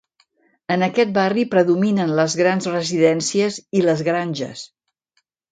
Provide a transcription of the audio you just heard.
En aquest barri predominen les grans residències i les granges.